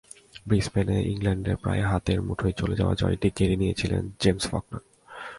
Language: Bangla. ব্রিসবেনে ইংল্যান্ডের প্রায় হাতের মুঠোয় চলে যাওয়া জয়টা কেড়ে নিয়েছিলেন জেমস ফকনার।